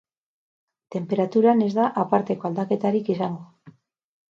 Tenperaturan ez da aparteko aldaketarik izango.